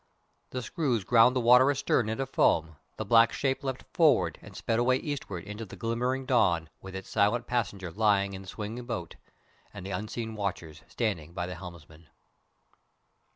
The screws ground the water astern into foam, the black shape leapt forward and sped away eastward into the glimmering dawn with its silent passenger lying in the swinging boat, and the unseen watchers standing by the helmsman....